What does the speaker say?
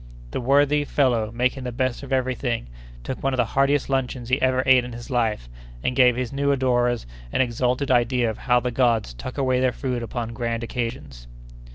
The worthy fellow, making the best of every thing, took one of the heartiest luncheons he ever ate in his life, and gave his new adorers an exalted idea of how the gods tuck away their food upon grand occasions.